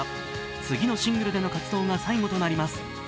次のシングルでの活動が最後となります。